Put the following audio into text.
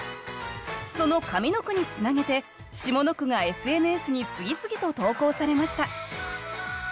その上の句につなげて下の句がＳＮＳに次々と投稿されました